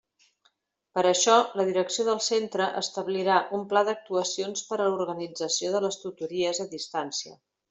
Per a això, la direcció del centre establirà un pla d'actuacions per a l'organització de les tutories a distància.